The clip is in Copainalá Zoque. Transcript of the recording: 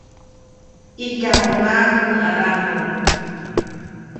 ʼIjtyajuʼuŋnaʼak mäʼadaʼmbä.